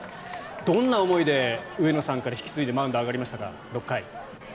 どんな思いで上野さんから引き継いで６回のマウンドに上がりましたか？